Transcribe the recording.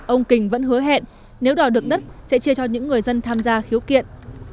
ông kình vẫn hứa hẹn nếu đòi được đất sẽ chia cho những người dân tham gia khiếu kiện